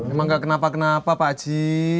emang gak kenapa kenapa pak haji